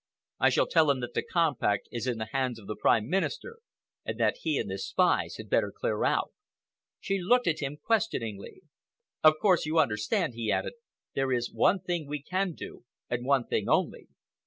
I shall tell him that the compact is in the hands of the Prime Minister, and that he and his spies had better clear out." She looked at him questioningly. "Of course, you understand," he added, "there is one thing we can do, and one thing only.